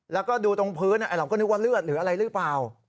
แล้วก็ดูตรงพื้นเราก็นึกว่าเลือดหรืออะไรหรือเปล่า